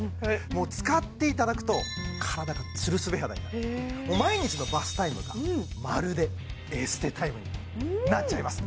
もう使っていただくと毎日のバスタイムがまるでエステタイムになっちゃいます